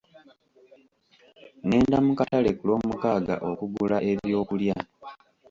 Ngenda mu katale ku lwomukaaga okugula ebyokulya.